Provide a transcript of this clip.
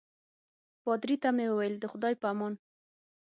پادري ته مې وویل د خدای په امان.